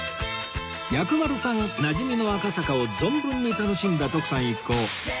薬丸さんなじみの赤坂を存分に楽しんだ徳さん一行